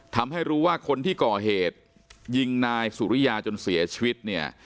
ทำให้รู้ว่าคนที่ก่อเหตุยิงนายสุริยาจนเสียชีวิตเนี่ย